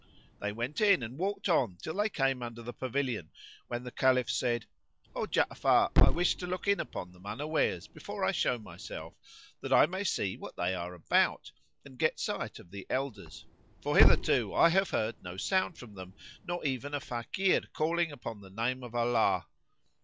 They went in and walked on till they came under the pavilion, when the Caliph said, "O Ja'afar, I wish to look in upon them unawares before I show myself, that I may see what they are about and get sight of the elders; for hitherto I have heard no sound from them, nor even a Fakir calling upon the name of Allah.